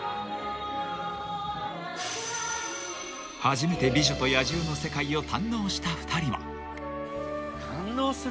［初めて『美女と野獣』の世界を堪能した２人は］